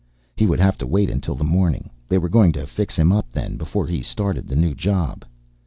He would have to wait until the morning. They were going to fix him up then before he started the new job.